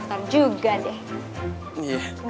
kamu pergi ilmiah weakness loh